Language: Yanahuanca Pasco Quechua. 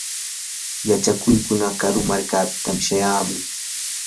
yachakuqkuna karu markapitam shayamun.